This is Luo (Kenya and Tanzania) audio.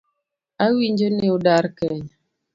Awinjo ni udar kenya